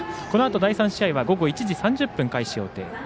このあと第３試合は午後１時３０分開始予定。